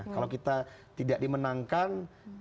kalau kita tidak dimenangkan